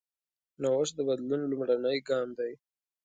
نوښت د بدلون لومړنی ګام دی.